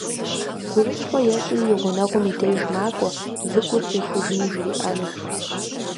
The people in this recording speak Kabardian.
Гурыщхъуэ ещӀри и гъунэгъум и деж макӀуэ, выгур къихужыну жриӏэну.